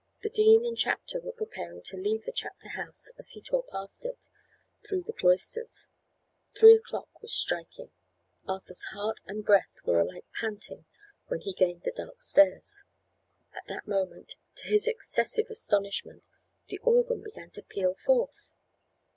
The dean and chapter were preparing to leave the chapter house as he tore past it, through the cloisters. Three o'clock was striking. Arthur's heart and breath were alike panting when he gained the dark stairs. At that moment, to his excessive astonishment, the organ began to peal forth.